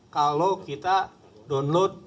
kalau kita download